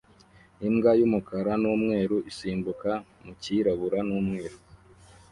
Imbwa yumukara numweru isimbuka mukirabura n'umweru